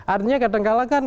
artinya kadangkala kan